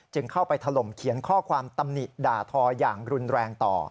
เข้าไปถล่มเขียนข้อความตำหนิด่าทออย่างรุนแรงต่อ